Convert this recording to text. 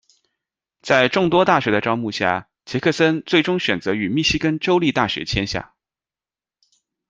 在众多大学的招募下，杰克森最终选择与密西根州立大学签下。